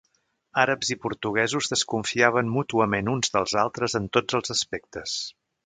Àrabs i portuguesos desconfiaven mútuament uns dels altres en tots els aspectes.